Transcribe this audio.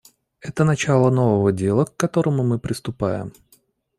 Это начало нового дела, к которому мы приступаем.